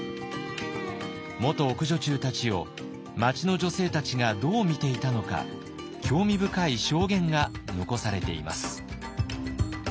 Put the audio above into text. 元奥女中たちを町の女性たちがどう見ていたのか興味深い証言が残されています。